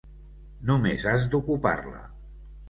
Només has d'ocupar-la.